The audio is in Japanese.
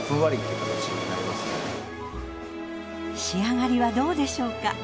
仕上がりはどうでしょうか？